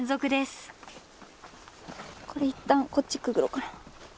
これいったんこっちくぐろうかな。